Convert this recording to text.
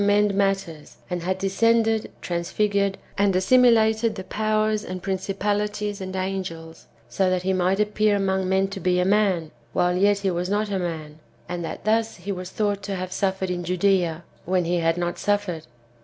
end matters, and had descended, transfigured and assimilated to powers and principalities and angels, so that he might appear among men to be a man, while yet he was not a man ; and that thus he was thought to have suffered in Judssa, when he had not suffered.